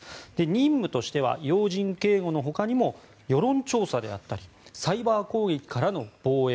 任務としては要人警護のほかにも世論調査であったりサイバー攻撃からの防衛